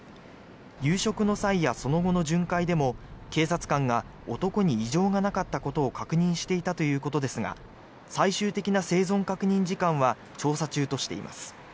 夕食の際やその後の巡回でも警察官が男に異常がなかったことを確認していたということですが最終的な生存確認時間は調査中としています。